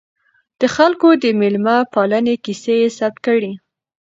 د خلکو د میلمه پالنې کیسې یې ثبت کړې.